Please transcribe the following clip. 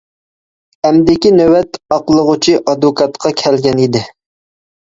ئەمدىكى نۆۋەت ئاقلىغۇچى ئادۋوكاتقا كەلگەن ئىدى.